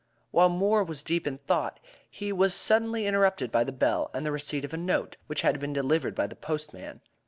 While Moore was deep in thought, he was suddenly interrupted by the bell, and the receipt of a note which had been delivered by the postman.